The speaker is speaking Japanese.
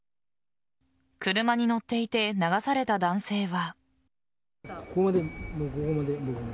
車に乗っていて流された男性は。